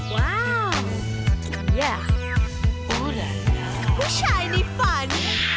ว้าวผู้ชายในฝัน